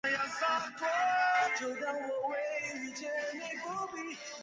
糙臭草为禾本科臭草属下的一个种。